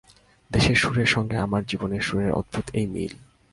দেশের সুরের সঙ্গে আমার জীবনের সুরের অদ্ভুত এই মিল!